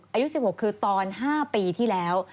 อายุ๑๖คือตอน๕ปีที่แล้ว